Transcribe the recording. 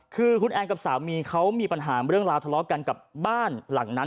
คือคุณแอนกับสามีเขามีปัญหาเรื่องราวทะเลาะกันกับบ้านหลังนั้น